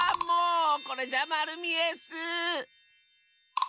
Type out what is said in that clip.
もうこれじゃまるみえッス！